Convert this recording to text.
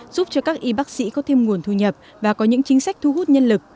giúp cho các y bác sĩ có thêm nguồn thu nhập và có những chính sách thu hút nhân lực